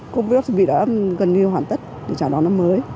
công việc chuẩn bị đã gần như hoàn tất để trả đón năm mới